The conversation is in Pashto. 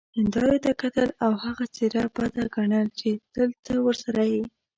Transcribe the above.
هیندارې ته کتل او هغه څیره بده ګڼل چې تل ته ورسره يې،